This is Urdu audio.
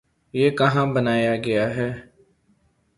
یہ کہاں بنایا گیا ہے؟